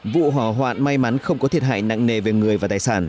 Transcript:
vụ hỏa hoạn may mắn không có thiệt hại nặng nề về người và tài sản